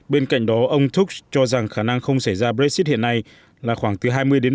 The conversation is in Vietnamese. bên cạnh đó ông thuks cho rằng khả năng không xảy ra brexit hiện nay là khoảng từ hai mươi ba mươi